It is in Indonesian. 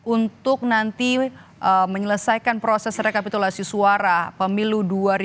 untuk nanti menyelesaikan proses rekapitulasi suara pemilu dua ribu dua puluh